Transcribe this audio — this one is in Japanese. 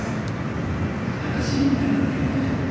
話にならないな。